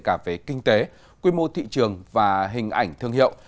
cả về kinh tế quy mô thị trường và hình ảnh thương hiệu